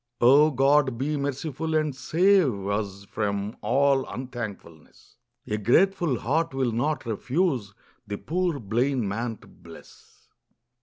. Oh, God, be merciful and save Us from all un thank fulness ! A grateful heart will not refuse The poor blind man to bless.